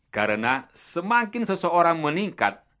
karena semakin seseorang meningkat